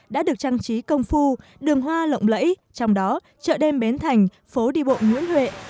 đã được trang trí công phu đường hoa lộng lẫy trong đó chợ đêm bến thành phố đi bộ nguyễn huệ